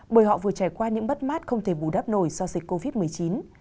bởi họ vừa trải qua những bất mát không thể bù đắp nổi do dịch covid một mươi chín